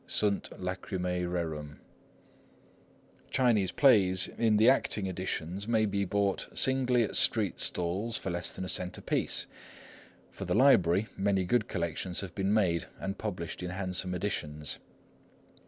"Sunt lacrymae rerum ..." Chinese plays in the acting editions may be bought singly at street stalls for less than a cent apiece. For the library, many good collections have been made, and published in handsome editions.